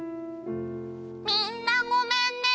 みんなごめんね！